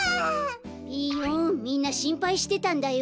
みんなしんぱいしてたんだよ。